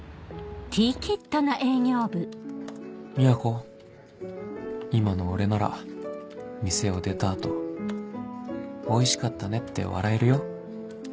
美和子今の俺なら店を出た後「おいしかったね」って笑えるよ